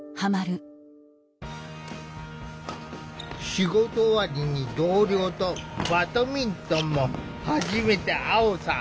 仕事終わりに同僚とバドミントンも始めたアオさん。